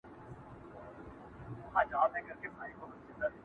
یو څه ملنګ یې یو څه شاعر یې!!..